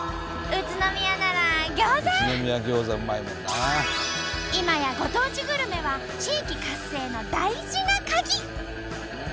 宇都宮なら今やご当地グルメは地域活性の大事なカギ！